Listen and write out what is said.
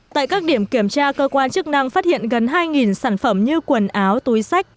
tại các điểm kiểm tra cơ quan chức năng phát hiện gần hai sản phẩm như quần áo túi sách